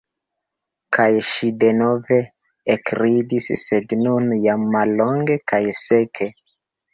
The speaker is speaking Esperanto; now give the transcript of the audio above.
Kaj ŝi denove ekridis, sed nun jam mallonge kaj seke.